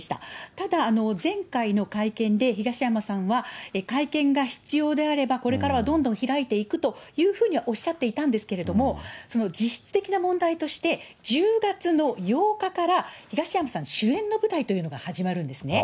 ただ、前回の会見で、東山さんは、会見が必要であれば、これからはどんどん開いていくというふうにはおっしゃっていたんですけれども、実質的な問題として、１０月の８日から東山さん主演の舞台というのが始まるんですね。